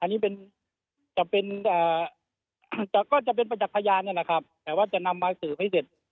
อันนี้จะเป็นประจักษ์ย๒๐๐๕นแต่ว่าจะนำมาเศร้าสื่อให้เสร็จ